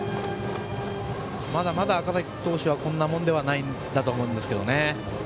まだまだ赤嵜投手はこんなものではないと思うんです。